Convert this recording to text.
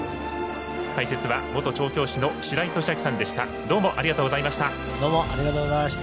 解説は元調教師の白井寿昭さんでした。